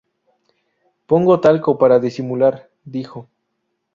Pongo talco para disimular", dijo.